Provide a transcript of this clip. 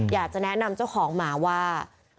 อยากจะแนะนำเจ้าของหมาว่า